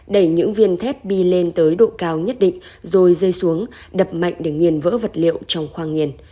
đẩy những viên thép đi lên tới độ cao nhất định rồi rơi xuống đập mạnh để nghiền vỡ vật liệu trong khoang nghiền